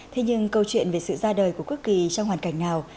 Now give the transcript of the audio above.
thế nhưng câu chuyện về sự ra đời của quốc kỳ trong hoàn cảnh nào